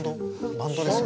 バンドですよね。